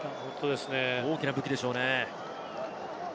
大きな武器でしょうね。